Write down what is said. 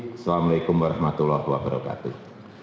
wassalamu'alaikum warahmatullahi wabarakatuh